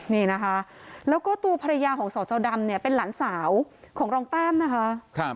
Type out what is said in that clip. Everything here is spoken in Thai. นี่นะคะแล้วก็ตัวภรรยาของสจดำเนี่ยเป็นหลานสาวของรองแต้มนะคะ